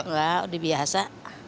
enggak udah biasa